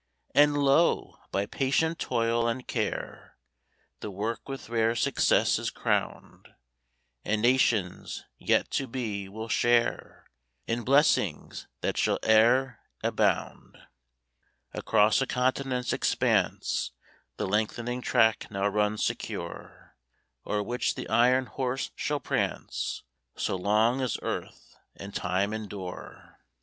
And lo! by patient toil and care, The work with rare success is crowned; And nations, yet to be, will share In blessings that shall e'er abound. Across a continent's expanse, The lengthening track now runs secure, O'er which the Iron Horse shall prance, So long as earth and time endure!